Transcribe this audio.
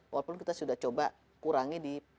walaupun kita sudah coba kurangi di